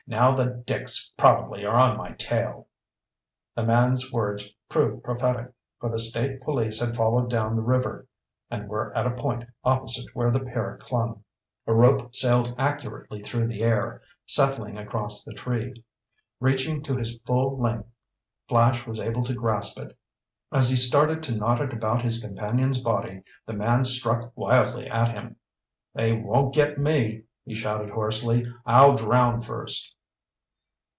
Now the dicks probably are on my tail!" The man's words proved prophetic for the state police had followed down river and were at a point opposite where the pair clung. A rope sailed accurately through the air, settling across the tree. Reaching to his full length, Flash was able to grasp it. As he started to knot it about his companion's body, the man struck wildly at him. "They won't get me!" he shouted hoarsely. "I'll drown first!"